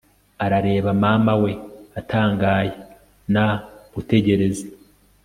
arareba mama we atangaye na gutegereza